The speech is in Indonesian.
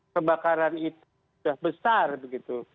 kebakaran itu sudah besar begitu